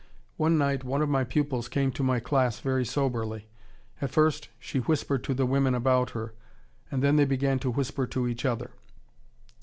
One night one of my pupils came to my class very soberly. At first she whispered to the women about her and then they began to whisper to each other.